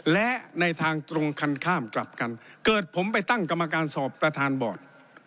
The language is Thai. และในทางตรงกันข้ามกลับกันเกิดผมไปตั้งกรรมการสอบประธานบอร์ด